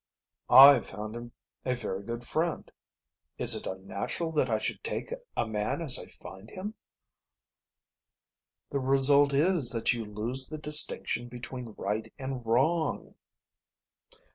"I've found him a very good friend. Is it unnatural that I should take a man as I find him?" "The result is that you lose the distinction between right and wrong."